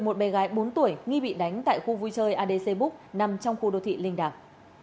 một bè gái bốn tuổi nghi bị đánh tại khu vui chơi adc búc nằm trong khu đô thị linh đảng